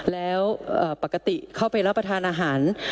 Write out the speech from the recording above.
แล้วปกติเข้าไปรับประทานอาหาร